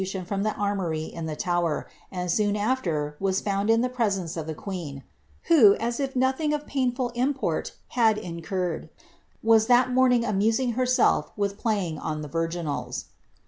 He had witDrased bi* from ihc armory in the Tower, and soon after was foond in ihe prcwnct of the queen, who, as if nothing of painful import had incurred, vm thai nioriiiiifj antusine herself with playing on the virginals.